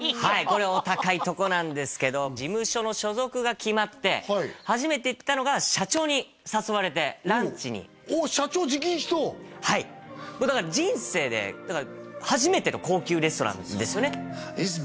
はいお高いとこなんですけど事務所の所属が決まって初めて行ったのが社長に誘われてランチにおう社長直々とはいだから人生で初めての高級レストランですよね